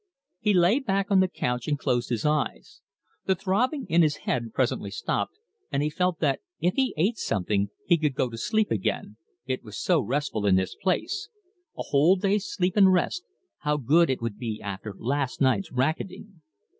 He lay back on the couch and closed his eyes. The throbbing in his head presently stopped, and he felt that if he ate something he could go to sleep again, it was so restful in this place a whole day's sleep and rest, how good it would be after last night's racketing!